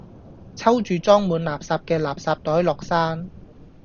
抽住裝滿垃圾嘅垃圾袋落山